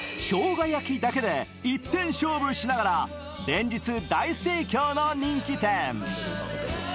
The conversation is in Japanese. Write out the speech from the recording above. しょうが焼きだけで一点勝負しながら、連日大盛況の人気店。